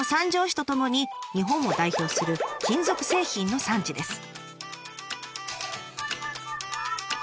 市とともに日本を代表する金属製品の産地です。